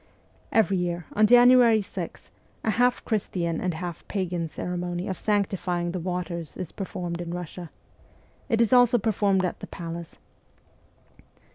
Every year, on January 6, a half Christian and half pagan ceremony of sanctifying the waters is performed in Eussia. It is also performed at the palace.